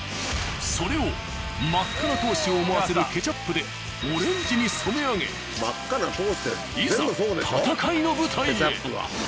それを真っ赤な闘志を思わせるケチャップでオレンジに染め上げいざ戦いの舞台へ。